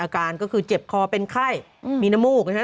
อาการก็คือเจ็บคอเป็นไข้มีน้ำมูกนะฮะ